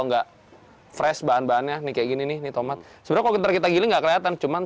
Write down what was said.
enggak fresh bahan bahannya nih kayak gini nih tomat sebetulnya kita gini gak kelihatan cuman